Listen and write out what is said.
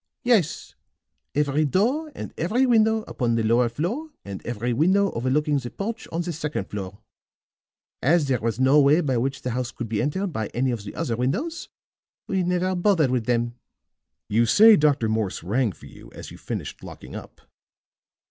"Yes; every door and every window upon the lower floor and every window overlooking the porch on the second floor. As there was no way by which the house could be entered by any of the other windows we never bothered with them." "You say Dr. Morse rang for you as you finished locking up?"